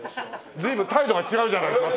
随分態度が違うじゃないか！